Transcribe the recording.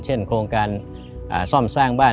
โครงการซ่อมสร้างบ้าน